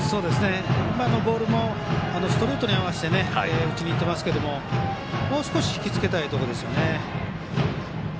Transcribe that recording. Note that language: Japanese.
今のボールもストレートに合わせて打ちにいってましたがもう少しひきつけたいところですね。